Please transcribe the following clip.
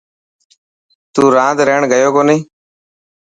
تون راند رهڻ گيو ڪوني؟